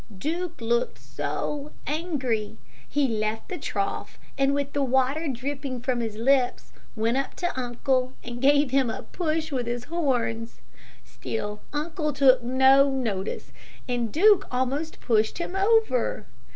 Duke looked so angry. He left the trough, and with the water dripping from his lips, went up to uncle, and gave him a push with his horns. Still uncle took no notice, and Duke almost pushed him over.